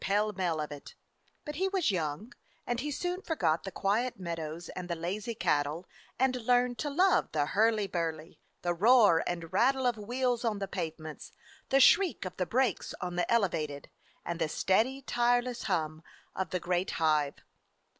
A FIRE DOG OF NEW YORK ending pell mell of it ; but he was young, and he soon forgot the quiet meadows and the lazy cattle, and learned to love the hurly burly, the roar and rattle of wheels on the pavements, the shriek of the brakes on the Elevated, and the steady, tireless hum of the great hive.